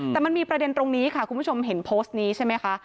แต่มันมีประเด็นตรงนี้ค่ะคุณผู้ชมเห็นโพสต์นี้ใช่ไหมคะ